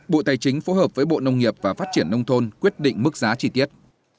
bộ tài chính phối hợp với bộ nông nghiệp và phát triển nông thôn quyết định mức giá chi tiết